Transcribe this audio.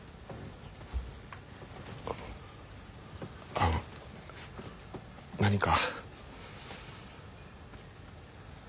あの何か。